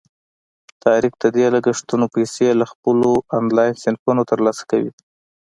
طارق د دې لګښتونو پیسې له خپلو آنلاین صنفونو ترلاسه کوي.